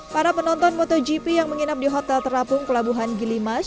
para penonton motogp yang menginap di hotel terapung pelabuhan gilimas